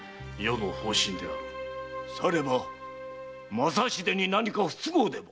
されば正秀に何か不都合でも？